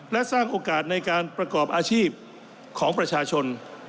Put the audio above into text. และสร้างโอกาสในการประกอบอาชีพของประชาชน